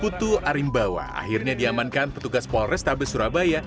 putu arimbawa akhirnya diamankan petugas polrestabes surabaya